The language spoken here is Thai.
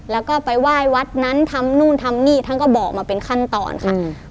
แล้วก็ไปไหว้วัดนั้นทำนู่นทำนี่ท่านก็บอกมาเป็นขั้นตอนค่ะ